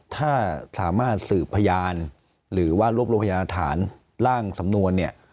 ถ้าสามารถสืบพยานหรือว่ารวบรวมพยานฐานร่างสำนวนเนี่ย